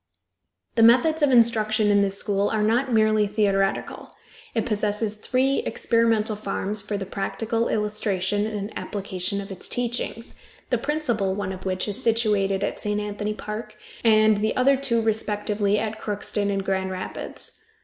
The methods of instruction in this school are not merely theoretical. It possesses three experimental farms for the practical illustration and application of its teachings, the principal one of which is situated at St. Anthony Park, and the other two respectively at Crookston and Grand Rapids.